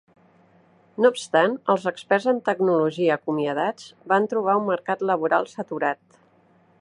No obstant, els experts en tecnologia acomiadats van trobar un mercat laboral saturat.